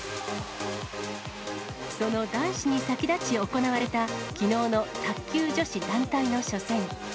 その男子に先立ち行われた、きのうの卓球女子団体の初戦。